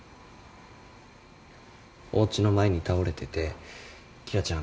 おうちの前に倒れてて紀來ちゃん